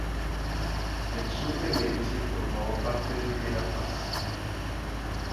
El sur de Belice formaba parte de Verapaz.